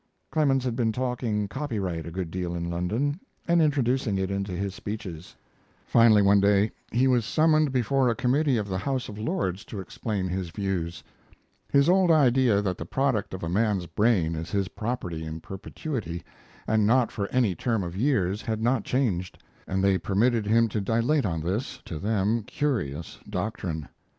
Clemens had been talking copyright a good deal in London, and introducing it into his speeches. Finally, one day he was summoned before a committee of the House of Lords to explain his views. His old idea that the product of a man's brain is his property in perpetuity and not for any term of years had not changed, and they permitted him to dilate on this (to them) curious doctrine.